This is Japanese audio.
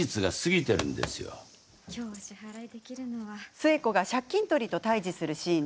寿恵子が借金取りと対じするシーン。